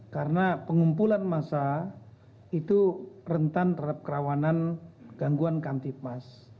karena pengumpulan massa itu rentan terhadap kerawanan gangguan kamtipmas